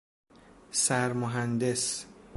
سر مهندس